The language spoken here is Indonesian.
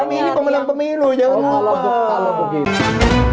kami ini pemenang pemilu jangan lupa